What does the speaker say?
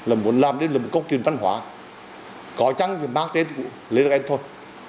ông muốn làm đến một công trình văn hóa có chăng thì mang tên lý đức anh thôi